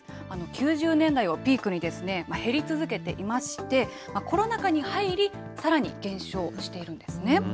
９０年代をピークに、減り続けていまして、コロナ禍に入り、さらに減少しているんですね。